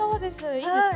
いいんですか？